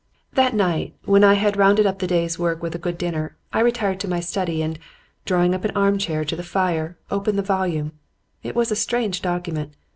That night, when I had rounded up the day's work with a good dinner, I retired to my study, and, drawing an armchair up to the fire, opened the volume. It was a strange document.